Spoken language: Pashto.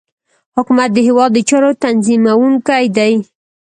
حکومت د هیواد د چارو تنظیمونکی دی